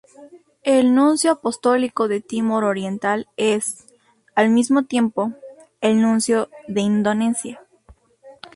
El Nuncio apostólico de Timor Oriental es, al mismo tiempo, el nuncio de Indonesia.